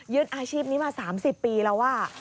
ยืนอาชีพนี้มา๓๐ปีแล้วว่า